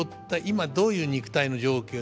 今どういう肉体の状況